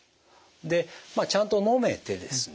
でちゃんと飲めてですね